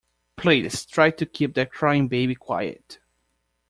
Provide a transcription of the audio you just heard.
Please try to keep that crying baby quiet